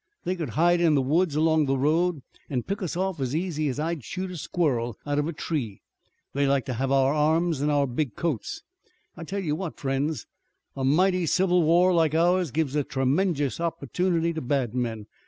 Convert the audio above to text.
They could hide in the woods along the road an' pick us off as easy as I'd shoot a squirrel out of a tree. They'd like to have our arms an' our big coats. I tell you what, friends, a mighty civil war like ours gives a tremenjeous opportunity to bad men.